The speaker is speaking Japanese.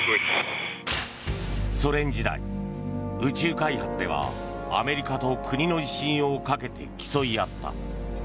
ソ連時代、宇宙開発ではアメリカと国の威信をかけて競い合った。